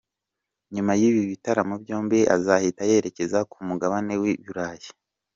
Nyuma y’ibi bitaramo byombi azahita yerekeza ku mugabane w’i Burayi.